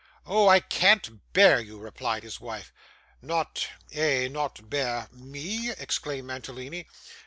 'Oh! I can't bear you,' replied his wife. 'Not eh, not bear ME!' exclaimed Mantalini.